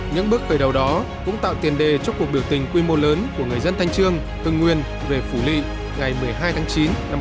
những bước khởi đầu đó cũng tạo tiền đề cho cuộc biểu tình quy mô lớn của người dân thanh trương hưng nguyên về phủ lị ngày một mươi hai tháng chín năm một nghìn chín trăm năm mươi